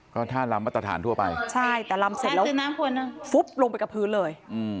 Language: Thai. ก็ท่าลำมาตรฐานทั่วไปใช่แต่ลำเสร็จแล้วฟุ๊บลงไปกับพื้นเลย